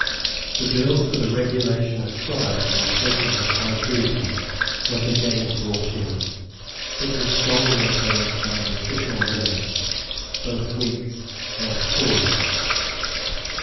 The Bill for the Regulation of Trials in cases of High Treason was again brought in, but was strongly opposed by the official men, both Whigs and Tories.